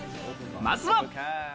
まずは。